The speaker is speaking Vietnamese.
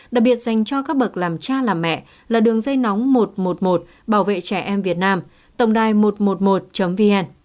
đặc biệt dành cho các bậc làm cha làm mẹ là đường dây nóng một trăm một mươi một bảo vệ trẻ em việt nam tổng đài một trăm một mươi một vn